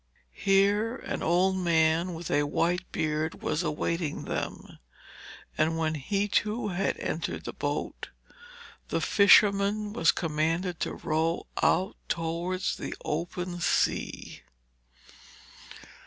Here an old man with a white beard was awaiting them, and when he too had entered the boat, the fisherman was commanded to row out towards the open sea.